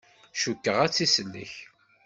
Cukkeɣ ad tt-isellek.